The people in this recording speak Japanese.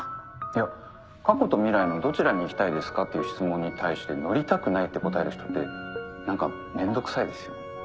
いや「過去と未来のどちらに行きたいですか？」っていう質問に対して「乗りたくない」って答える人って何か面倒くさいですよね。